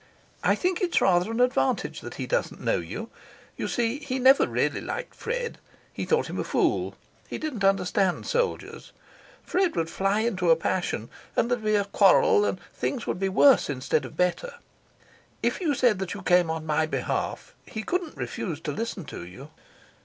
"I think it's rather an advantage that he doesn't know you. You see, he never really liked Fred; he thought him a fool; he didn't understand soldiers. Fred would fly into a passion, and there'd be a quarrel, and things would be worse instead of better. If you said you came on my behalf, he couldn't refuse to listen to you."